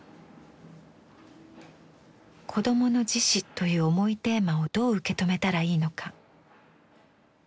「子供の自死」という重いテーマをどう受け止めたらいいのか。